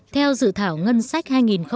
theo dự thảo ngân sách hai nghìn một mươi bảy